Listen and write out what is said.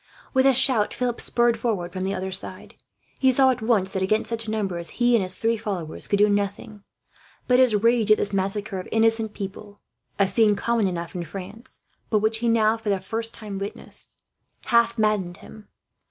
With a shout, Philip spurred forward from the other side. He saw at once that, against such numbers, he and his three followers could do nothing; but his rage at this massacre of innocent people a scene common enough in France, but which he now for the first time witnessed half maddened him.